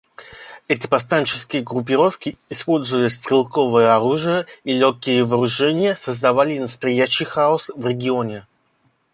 Эти повстанческие группировки, используя стрелковое оружие и легкие вооружения, создавали настоящий хаос в регионе.